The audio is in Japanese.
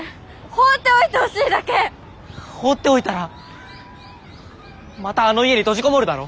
放っておいたらまたあの家に閉じこもるだろ？